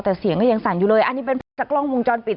แต่เสียงก็ยังสั่นอยู่เลยอันนี้เป็นภาพจากกล้องวงจรปิด